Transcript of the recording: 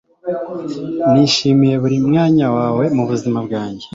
Nishimiye buri mwanya wawe mubuzima bwanjye